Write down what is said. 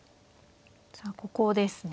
じゃあここですね。